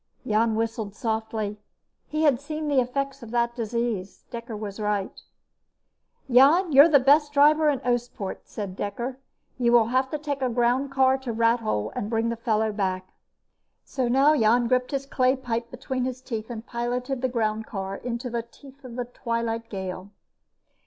Jan whistled softly. He had seen the effects of that disease. Dekker was right. "Jan, you're the best driver in Oostpoort," said Dekker. "You will have to take a groundcar to Rathole and bring the fellow back." So now Jan gripped his clay pipe between his teeth and piloted the groundcar into the teeth of the Twilight Gale.